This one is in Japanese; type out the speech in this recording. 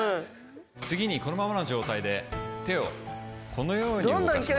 次にこのままの状態で手をこのように動かします。